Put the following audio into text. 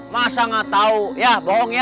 masa gak tahu ya bohong ya